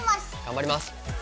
頑張ります。